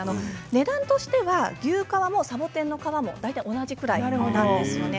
値段としては牛革もサボテンの革も大体、同じくらいなんですよね。